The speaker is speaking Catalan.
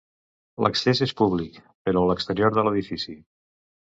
L'accés és públic per a l'exterior de l'edifici.